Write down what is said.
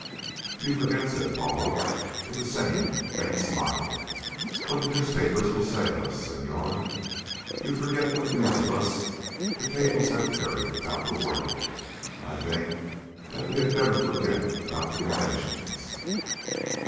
"You forget," said Paula, with the same faint smile, "what the newspapers will say of us, Senhor. You forget what news of us the cables have carried about the world. I think that we had better forget about the conventions.